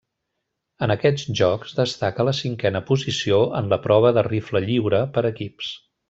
En aquests Jocs destaca la cinquena posició en la prova de rifle lliure per equips.